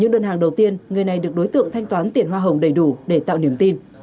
những đơn hàng đầu tiên người này được đối tượng thanh toán tiền hoa hồng đầy đủ để tạo niềm tin